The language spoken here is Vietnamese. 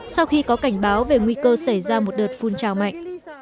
sau khi có cảnh báo về nguy cơ xảy ra một đợt phun trào mạnh